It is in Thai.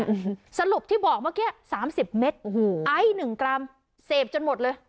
อืมสรุปที่บอกเมื่อกี้สามสิบเมตรโอ้โหไอซ์หนึ่งกรัมเสพจนหมดเลย